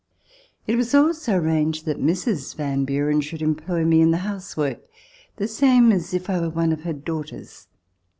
It was also ar ranged that Mrs. Van Buren should employ me in the housework the same as if I were one of her daughters.